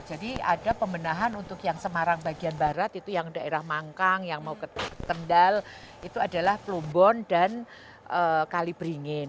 jadi ada pemenahan untuk yang semarang bagian barat itu yang daerah mangkang yang mau ke kendal itu adalah plumbon dan kalibringin